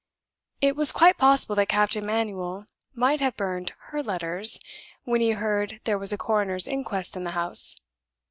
It was quite possible that Captain Manuel might have burned her letters when he heard there was a coroner's inquest in the house.